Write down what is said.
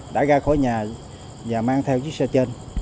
đã ra khỏi nhà và mang theo chiếc xe trên